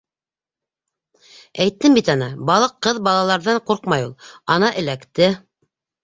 —— Әйттем бит ана, балыҡ ҡыҙ балаларҙан ҡурҡмай ул. Ана эләкте.